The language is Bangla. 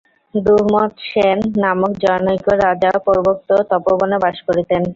দ্যুমৎসেন নামক জনৈক রাজা পূর্বোক্ত তপোবনে বাস করিতেন।